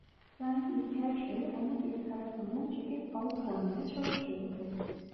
Sanki her şey onu bir tarafından çekip alıkoymaya çalışıyordu.